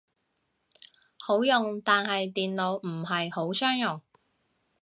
好用，但係電腦唔係好相容